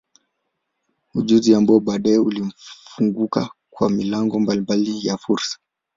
Ujuzi ambao baadaye ulimfunguka kwa milango mbalimbali ya fursa.